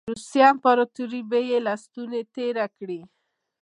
روسیې امپراطوري به یې له ستوني تېره کړي.